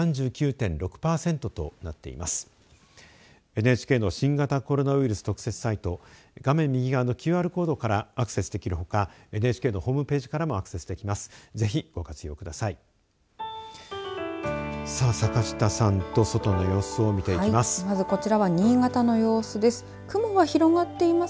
ＮＨＫの新型コロナウイルス特設サイト画面右側のＱＲコードからアクセスできるほかＮＨＫのホームページからもアクセスできます。